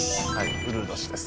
うるう年です。